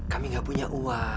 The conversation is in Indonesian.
kami gak punya uang